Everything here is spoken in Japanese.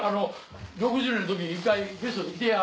６０年の時１回ゲストで来てや。